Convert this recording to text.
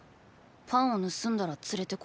パンを盗んだら連れて来られた。